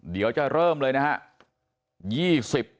เดี๋ยวจะเริ่มเลยนะครับ